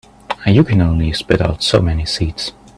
You can only spit out so many seeds.